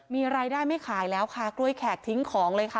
มีรายได้ไม่ขายแล้วค่ะกล้วยแขกทิ้งของเลยค่ะ